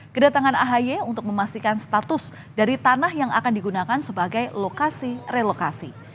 kedatangan ahy untuk memastikan status dari tanah yang akan digunakan sebagai lokasi relokasi